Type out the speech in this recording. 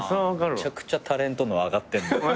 めちゃくちゃタレントの上がってる。